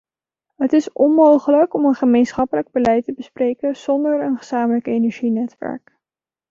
Het is onmogelijk om een gemeenschappelijk beleid te bespreken zonder een gezamenlijk energienetwerk.